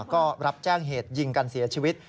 ก็รับแจ้งเหตุยิงกันเสียชีวิต